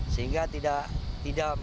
sehingga tidak menanggung